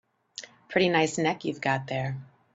Pretty nice neck you've got there.